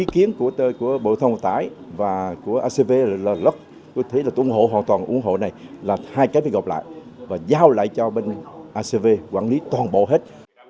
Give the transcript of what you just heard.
khiến của bộ thông tải và của acv là rất tôi thấy là tôi ủng hộ hoàn toàn ủng hộ này là hai cái gặp lại và giao lại cho bên acv quản lý toàn bộ hết